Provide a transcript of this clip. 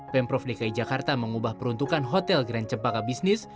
pemprov dki jakarta mengubah peruntukan hotel grand cempaka bisnis